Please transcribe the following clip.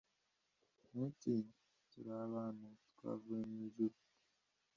ntutinye. turi abantu. twavuye mu ijuru